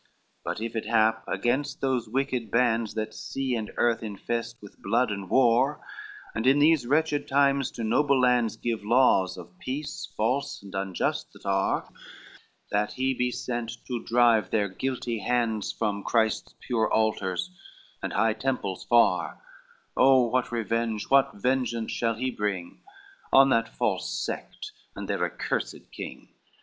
XCIII "But if it hap against those wicked bands That sea and earth invest with blood and war, And in these wretched times to noble lands Give laws of peace false and unjust that are, That he be sent, to drive their guilty hands From Christ's pure altars and high temples far, Oh, what revenge, what vengeance shall he bring On that false sect, and their accursed king!